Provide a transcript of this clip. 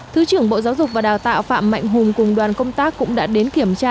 thứ trưởng bộ giáo dục và đào tạo phạm mạnh hùng cùng đoàn công tác cũng đã đến kiểm tra